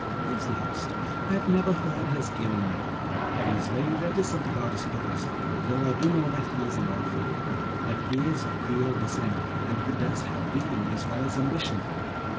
"His last. I have never heard his given name. He is very reticent about his past, though I do know that he is an orphan. But he is of Creole descent and he does have breeding as well as ambition.